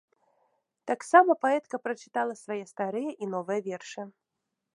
Таксама паэтка прачытала свае старыя і новыя вершы.